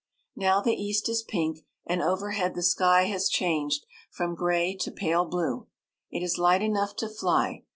Now the east is pink, and overhead the sky has changed from gray to pale blue. It is light enough to fly.